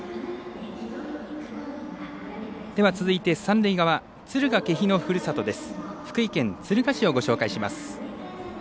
続いて、三塁側敦賀気比のふるさとです。